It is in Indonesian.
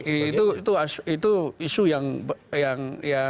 itu itu itu isu yang yang ya